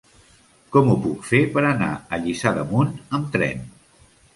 Com ho puc fer per anar a Lliçà d'Amunt amb tren?